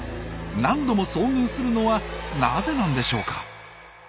何度も遭遇するのはなぜなんでしょうか？